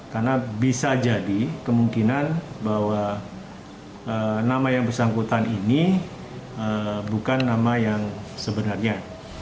karena bisa jadi kemungkinan bahwa nama yang bersangkutan ini bukan nama yang sebenarnya